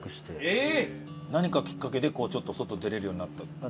何かきっかけでちょっと外出れるようになった？